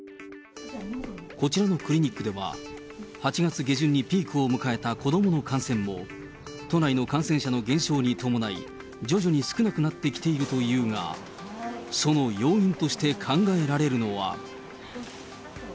こちらのクリニックでは、８月下旬にピークを迎えた子どもの感染も、都内の感染者の減少に伴い、徐々に少なくなってきているというが、その要因として考えられるのは。